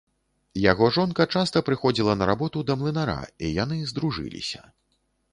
Яго жонка часта прыходзіла на работу да млынара, і яны здружыліся.